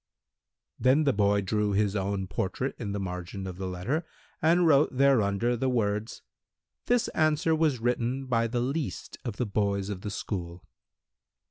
Then the boy drew his own portrait in the margin of the letter and wrote thereunder the words: "This answer was written by the least of the boys of the school."